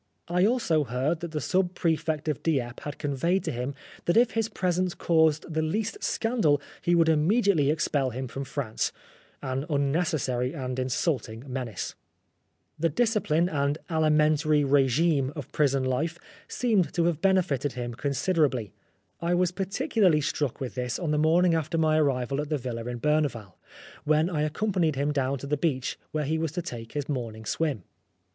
I also heard that the Sub Prefect of Dieppe had conveyed to him that if his presence caused the least scandal he would immediately expel him from France an unnecessary and insulting menace, The discipline and alimentary regime of 232 OSCAR WILDE, 1892. (Photo bv EUis er Walery.) To face /. 232. Oscar Wilde prison life seemed to have benefited him considerably. I was particularly struck with this on the morning after my arrival at the villa at Berneval, when I accom panied him down to the beach where he was to take his morning swim.